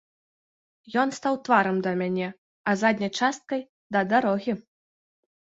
Ён стаў тварам да мяне, а задняй часткай да дарогі.